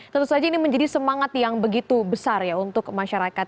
tentu saja ini menjadi semangat yang begitu besar ya untuk masyarakat